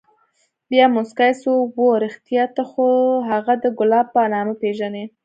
بيا موسكى سو اوه رښتيا ته خو هغه د ګلاب په نامه پېژنې.